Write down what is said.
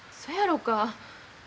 そやろか。